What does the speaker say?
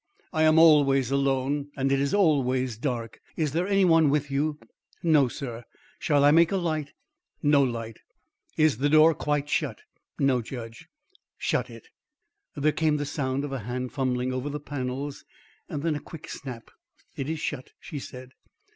"I am always alone, and it is always dark. Is there any one with you?" "No, sir. Shall I make a light?" "No light. Is the door quite shut?" "No, judge." "Shut it." There came the sound of a hand fumbling over the panels, then a quick snap. "It is shut," she said.